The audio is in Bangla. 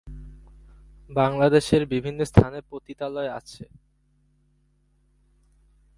বাংলাদেশের বিভিন্ন স্থানে পতিতালয় আছে।